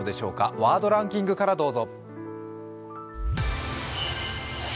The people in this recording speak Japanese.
ワードランキングからどうぞ。